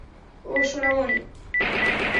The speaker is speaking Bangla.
ওহ, সোনামণি।